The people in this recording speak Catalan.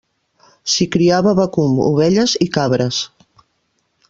S'hi criava vacum, ovelles i cabres.